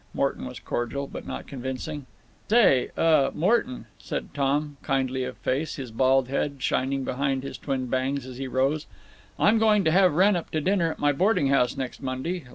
Morton was cordial, but not convincing. "Say—uh—Morton," said Tom, kindly of face, his bald head shining behind his twin bangs, as he rose, "I'm going to have Wrenn up to dinner at my boarding house next Monday.